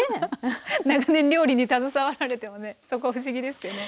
長年料理に携わられてもねそこは不思議ですよね。